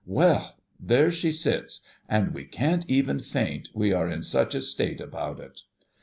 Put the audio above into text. Well ! there she sits, and we can't even faint, we are in such a state about it.